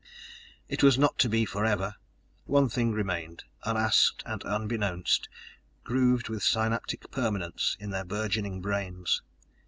It was not to be forever! One thing remained, unasked and unbeknownst, grooved with synaptic permanence in their burgeoning brains.